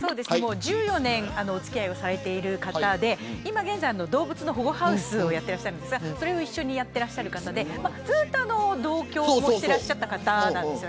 １４年お付き合いをされている方で今現在、動物の保護搬送をやっているんですが一緒にやってらっしゃる方でずっと同居をしてらっしゃった方です。